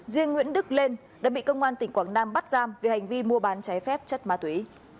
riêng nguyễn đức lên đã bị công an tỉnh quảng nam bắt giam vì hành vi mua bán trái phép chất ma túy